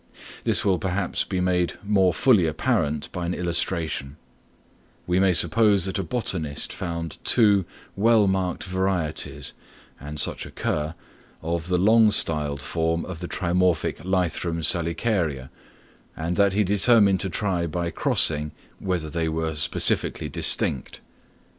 This will perhaps be made more fully apparent by an illustration; we may suppose that a botanist found two well marked varieties (and such occur) of the long styled form of the trimorphic Lythrum salicaria, and that he determined to try by crossing whether they were specifically distinct.